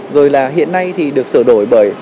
rồi là hiện nay thì được sửa đổi bởi